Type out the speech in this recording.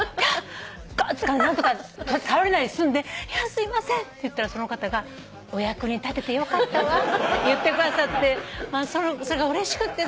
つかんで何とか倒れないで済んで「すいません」って言ったらその方が「お役に立ててよかったわ」って言ってくださってそれがうれしくって。